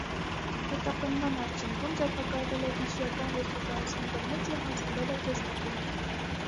Հետապնդման արդյունքում ձերբակալվել է վիշիական ոստիկանության կողմից և հանձնվել է գեստապոյին։